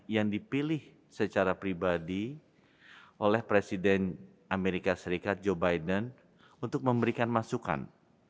yang dipilih secara pribadi oleh presiden amerika serikat joe biden untuk memberikan masukan